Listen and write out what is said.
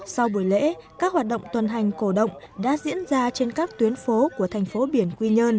sau buổi lễ các hoạt động tuần hành cổ động đã diễn ra trên các tuyến phố của tp biển quy